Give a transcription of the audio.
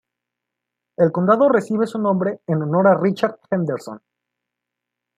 El condado recibe su nombre en honor a Richard Henderson.